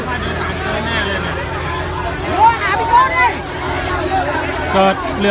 ก็ไม่มีเวลาให้กลับมาเท่าไหร่